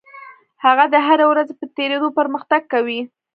هغه د هرې ورځې په تېرېدو پرمختګ کوي.